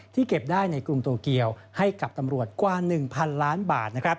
เก็บได้ในกรุงโตเกียวให้กับตำรวจกว่า๑๐๐๐ล้านบาท